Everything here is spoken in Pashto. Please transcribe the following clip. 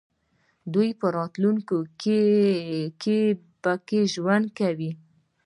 دوی په راتلونکي کې پکې ژوند کوي.